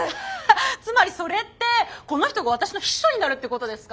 つまりそれってこの人が私の秘書になるってことですか？